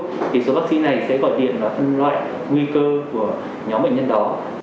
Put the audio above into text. thì số bác sĩ này sẽ gọi điện là phần loại nguy cơ của nhóm bệnh nhân đó